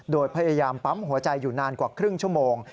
โดยพยายามปั๊มหัวใจอยู่นานกว่าครึ่งชั่วโมง